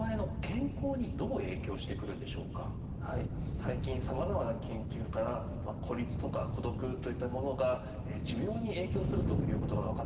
最近さまざまな研究から孤立とか孤独といったものが寿命に影響するということが分かってきたんですね。